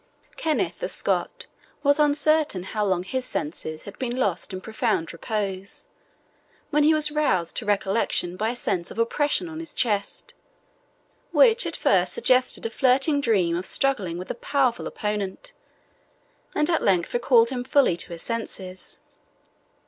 Kenneth the Scot was uncertain how long his senses had been lost in profound repose, when he was roused to recollection by a sense of oppression on his chest, which at first suggested a flirting dream of struggling with a powerful opponent, and at length recalled him fully to his senses.